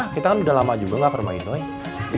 kita kan udah lama juga gak ke rumah idoi